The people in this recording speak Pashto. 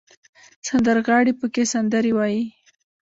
سندرغاړي پکې سندرې وايي.